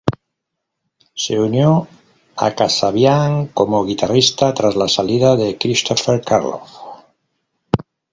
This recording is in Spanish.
Se unió a Kasabian como guitarrista tras la salida de Christopher Karloff.